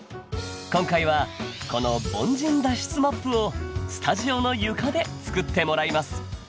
今回はこの凡人脱出マップをスタジオの床で作ってもらいます。